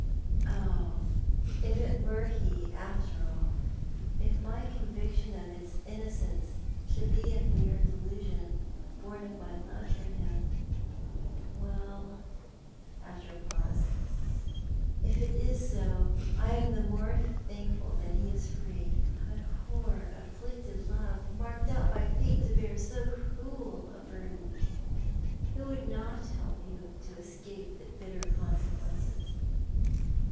" Oh, if it were he, after all ! If my conviction of his innocence should be a mere delusion, born of my love for him ! AVell ," after a pause, "if it is so, I am the more thankful that he is free. My poor, afflicted love, marked out by Fate to bear so cruel a burden. Who would not help you to escape the bitter conseqi; ences